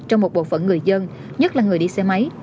trong một bộ phận người dân nhất là người đi xe máy